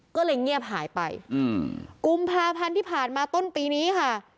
ก็เลยเงียบหายไปอืมกุมภาพันธ์ที่ผ่านมาต้นปีนี้ค่ะ